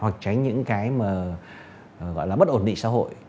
hoặc tránh những bất ổn định xã hội